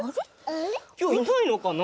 きょういないのかな？